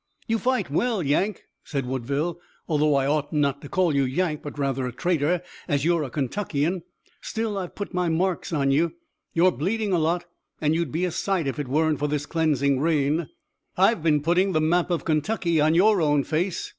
"You fight well, Yank," said Woodville, "although I ought not to call you Yank, but rather a traitor, as you're a Kentuckian. Still, I've put my marks on you. You're bleeding a lot and you'd be a sight if it weren't for this cleansing rain." "I've been putting the map of Kentucky on your own face.